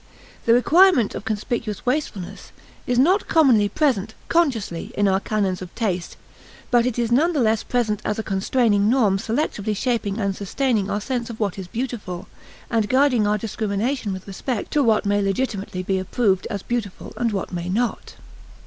The requirement of conspicuous wastefulness is not commonly present, consciously, in our canons of taste, but it is none the less present as a constraining norm selectively shaping and sustaining our sense of what is beautiful, and guiding our discrimination with respect to what may legitimately be approved as beautiful and what may not.